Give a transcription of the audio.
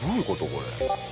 これ。